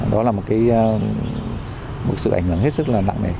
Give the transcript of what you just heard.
đó là một cái sự ảnh hưởng hết sức là nặng nề